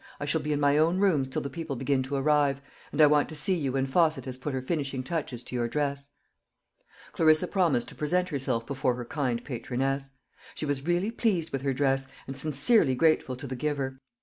I shall be in my own rooms till the people begin to arrive; and I want to see you when Fosset has put her finishing touches to your dress." Clarissa promised to present herself before her kind patroness. She was really pleased with her dress, and sincerely grateful to the giver.